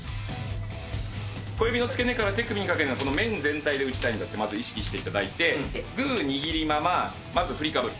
小指の付け根から手首にかけて面全体で打ちたいんだってまず意識していただいて、グー握りまま、まず振りかぶる。